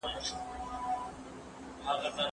څېړنه باید یوازي په افرادو پوري محدوده نه وي.